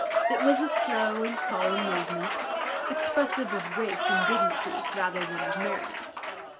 It was a slow and solemn movement, expressive of grace and dignity, rather than of merriment.